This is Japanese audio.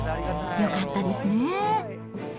よかったですね。